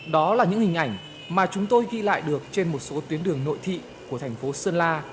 đó là những hình ảnh mà chúng tôi ghi lại được trên một số tuyến đường nội thị của thành phố sơn la